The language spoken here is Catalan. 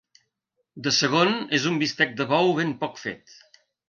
De segon és un bistec de bou ben poc fet.